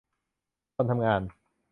คนทำงาน